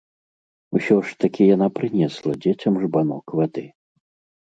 Усё ж такі яна прынесла дзецям жбанок вады.